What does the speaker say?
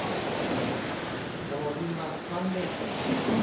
このＥ‐１、３連戦。